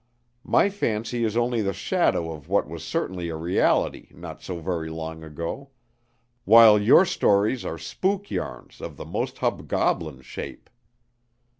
My fancy is only the shadow of what was certainly a reality not so very long ago; while your stories are spook yarns of the most hobgoblin shape.